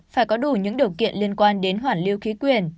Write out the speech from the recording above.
phải có đủ những điều kiện liên quan đến hoản lưu khí quyển